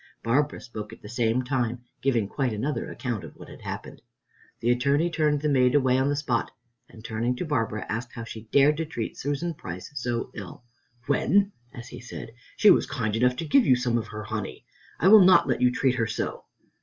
Barbara spoke at the same time, giving quite another account of what had happened. The Attorney turned the maid away on the spot, and turning to Barbara asked how she dared to treat Susan Price so ill, "when," as he said, "she was kind enough to give you some of her honey. I will not let you treat her so."